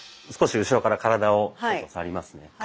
少し後ろから体を触りますね。